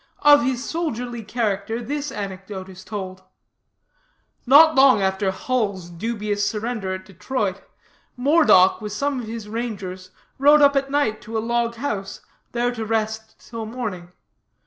Of his soldierly character, this anecdote is told: Not long after Hull's dubious surrender at Detroit, Moredock with some of his rangers rode up at night to a log house, there to rest till morning.